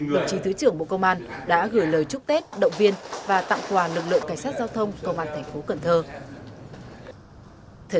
đồng chí thứ trưởng bộ công an đã gửi lời chúc tết động viên và tặng quà lực lượng cảnh sát giao thông công an thành phố cần thơ